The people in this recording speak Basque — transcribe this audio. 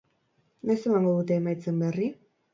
Noiz emango dute emaitzen berri?